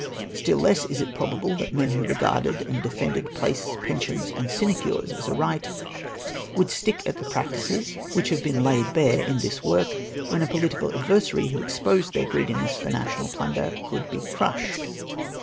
Still less is it probable that men who regarded and defended place, pensions, and sinecures as a right, would stick at the practices which have been laid bare in this work, Avhen a pohtical adversary who exposed their greediness for national plunder could be crushed.